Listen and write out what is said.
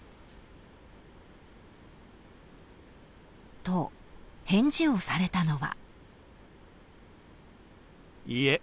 ［と返事をされたのは］